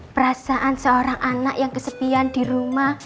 perasaan seorang anak yang kesepian di rumah